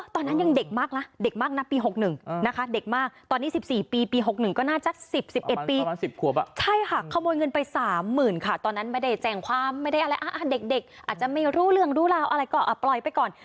ตอนนั้นไม่ได้แจ้งความไม่ได้อะไรเด็กอาจจะไม่รู้เรื่องรู้ราวอะไรก็ปล่อยไปก่อน